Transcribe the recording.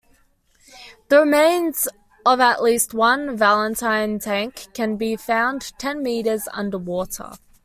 The remains of at least one Valentine tank can be found ten metres underwater.